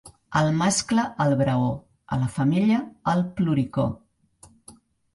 Al mascle, el braó; a la femella, el ploricó.